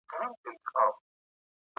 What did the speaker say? د دې ناول کیسه ډېره اوږده ده.